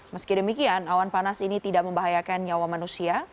meski demikian awan panas ini tidak membahayakan nyawa manusia